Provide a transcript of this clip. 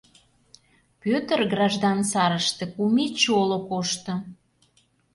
Пӧтыр граждан сарыште кум ий чоло кошто.